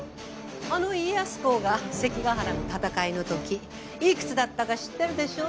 あの家康公が関ヶ原の戦いのとき幾つだったか知ってるでしょ？